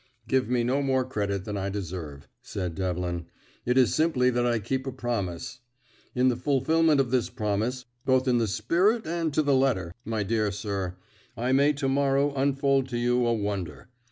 "Give me no more credit than I deserve," said Devlin. "It is simply that I keep a promise. In the fulfilment of this promise both in the spirit and to the letter, my dear sir I may to morrow unfold to you a wonder.